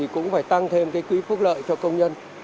cũng phải tăng thêm quỹ phúc lợi cho công nhân